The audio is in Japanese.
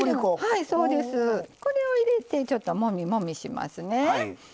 これを入れてちょっともみもみしますね。